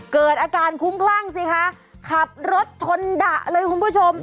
เกิดอาการคุ้มคลั่งสิคะขับรถชนดะเลยคุณผู้ชม